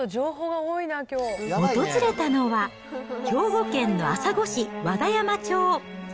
訪れたのは、兵庫県の朝来市和田山町。